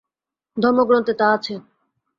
ধর্মগ্রন্থে তা আছে।